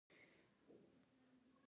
د چیواوا خلک د باران لپاره دعا کوي.